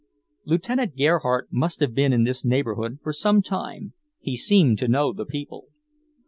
Lieutenant Gerhardt must have been in this neighbourhood for some time; he seemed to know the people.